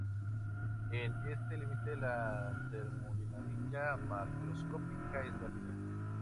En este límite, la termodinámica macroscópica es válida.